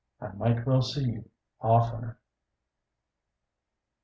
I might well see you oftener.